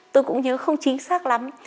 tôi cũng nhớ không chính xác lắm